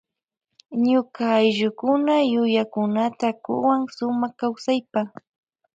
Ñuka ayllukuna yuyakunata kuwan sumak kawsaypa.